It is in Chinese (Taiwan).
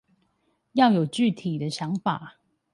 要有具體的想法